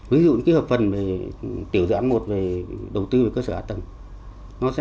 ví dụ hợp phần tiểu dự án một về đầu tư về cơ sở hạ tầng